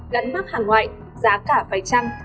gắn mắt hàng ngoại giá cả vài trăm